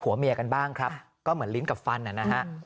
เมียกันบ้างครับก็เหมือนลิ้นกับฟันนะฮะ